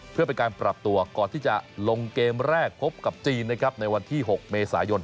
เพื่อเป็นการปรับตัวก่อนที่จะลงเกมแรกพบกับจีนนะครับในวันที่๖เมษายน